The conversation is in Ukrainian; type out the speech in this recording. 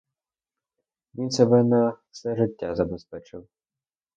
Він себе на все життя забезпечив.